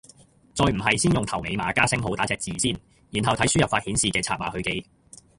再唔係先用頭尾碼加星號打隻字先，然後睇輸入法顯示嘅拆碼去記